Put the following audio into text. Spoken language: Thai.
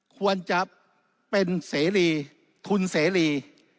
ควรจะเป็นเสรีทุนเสรี